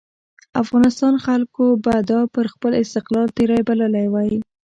افغانستان خلکو به دا پر خپل استقلال تېری بللی وای.